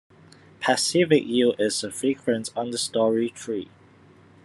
Pacific yew is a frequent understory tree.